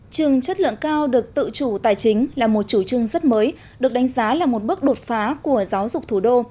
trường chất lượng cao được tự chủ tài chính là một chủ trương rất mới được đánh giá là một bước đột phá của giáo dục thủ đô